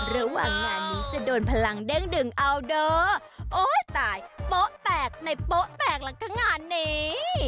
ระหว่างงานนี้จะโดนพลังเด้งดึงเอาเด้อโอ้ยตายโป๊ะแตกในโป๊ะแตกแล้วก็งานนี้